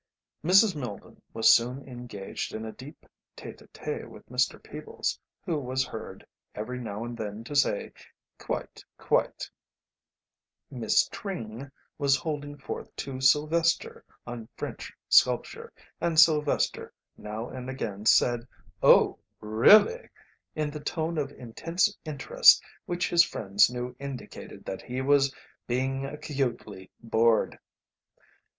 '" Mrs. Milden was soon engaged in a deep tete a tete with Mr. Peebles, who was heard every now and then to say, "Quite, quite," Miss Tring was holding forth to Silvester on French sculpture, and Silvester now and again said: "Oh! really!" in the tone of intense interest which his friends knew indicated that he was being acutely bored.